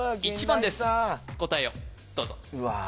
１番です答えをどうぞうわ